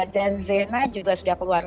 dan zena juga sudah keluar